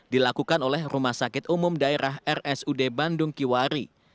dilakukan oleh rumah sakit umum daerah rsud bandung kiwari